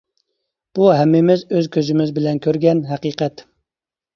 بۇ ھەممىمىز ئۆز كۆزىمىز بىلەن كۆرگەن ھەقىقەت.